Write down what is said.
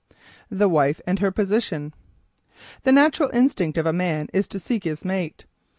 THE WIFE AND HER POSITION The natural instinct of a man is to seek his mate.